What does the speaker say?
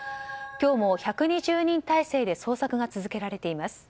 今日も１２０人態勢で捜索が続けられています。